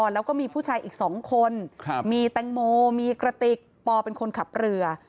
แล้วก็มีผู้ชายอีก๒คนมีแตงโมมีกระติกปเป็นคนขับเรือ